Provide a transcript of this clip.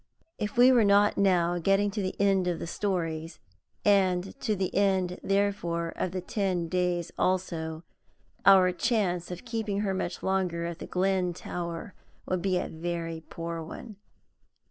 If we were not now getting to the end of the stories, and to the end, therefore, of the Ten Days also, our chance of keeping her much longer at the Glen Tower would be a very poor one.